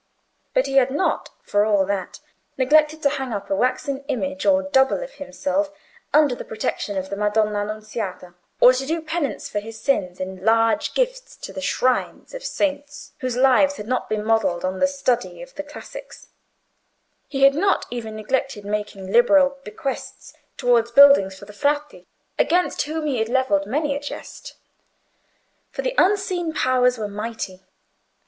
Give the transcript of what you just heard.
But he had not, for all that, neglected to hang up a waxen image or double of himself under the protection of the Madonna Annunziata, or to do penance for his sins in large gifts to the shrines of saints whose lives had not been modelled on the study of the classics; he had not even neglected making liberal bequests towards buildings for the Frati, against whom he had levelled many a jest. For the Unseen Powers were mighty.